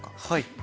はい。